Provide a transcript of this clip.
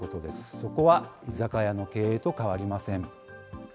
そこは居酒屋の経営と変わりません。